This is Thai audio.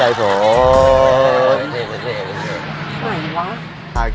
ไหนดีวะ